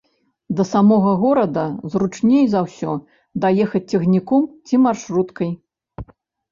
Да самога горада зручней за ўсё даехаць цягніком ці маршруткай.